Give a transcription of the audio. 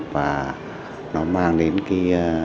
và nó mang đến cái